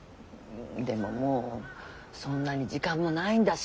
でももうそんなに時間もないんだし。